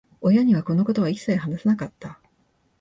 親には、このことは一切話さなかった。